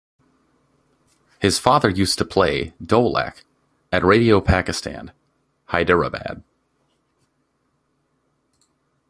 His father used to play Dholak at Radio Pakistan Hyderabad.